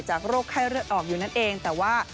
จากโรคไข้เรือออกแต่ว่า